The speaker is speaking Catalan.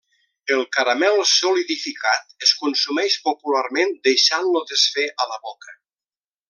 El caramel solidificat es consumeix popularment deixant-lo desfer a la boca.